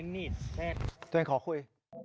เจ้งจังหวัดเลยพ่อมาลุงแม่งมาก่อน